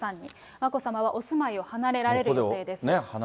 眞子さまはお住まいを離れられる予定です。